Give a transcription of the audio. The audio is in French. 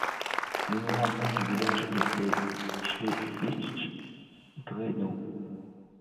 Le nom allemand du village était Schlesisch Drehnow.